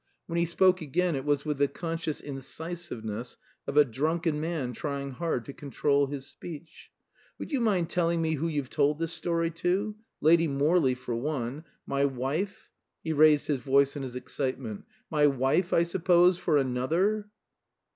When he spoke again it was with the conscious incisiveness of a drunken man trying hard to control his speech. "Would you mind telling me who you've told this story to? Lady Morley, for one. My wife," he raised his voice in his excitement, "my wife, I suppose, for another?"